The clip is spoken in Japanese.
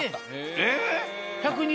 えっ！？